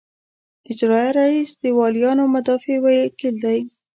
اجرائیه رییس د والیانو مدافع وکیل دی.